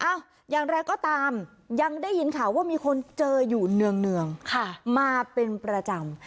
อย่างไรก็ตามยังได้ยินข่าวว่ามีคนเจออยู่เนื่องมาเป็นประจำ